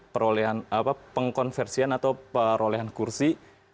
pengkonversian atau perolehan kursi